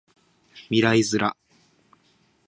未来ズラ